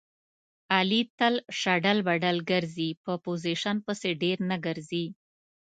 علي تل شډل بډل ګرځي. په پوزیشن پسې ډېر نه ګرځي.